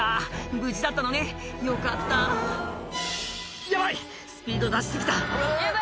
無事だったのねよかった「ヤバい！スピード出し過ぎた」